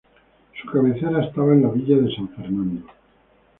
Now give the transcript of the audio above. Su cabecera estaba en la Villa de San Fernando.